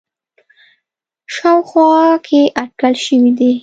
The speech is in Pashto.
ه شاوخوا کې اټکل شوی دی